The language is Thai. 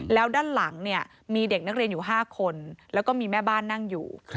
แล้วด้านหลังเนี่ยมีเด็กนักเรียนอยู่๕คนแล้วก็มีแม่บ้านนั่งอยู่